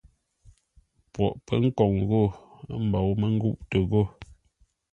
Poghʼ pə̌ nkǒŋ ghô, ə́ mbǒu mə́ ngûʼtə ghô.